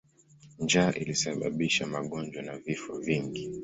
Njaa ilisababisha magonjwa na vifo vingi.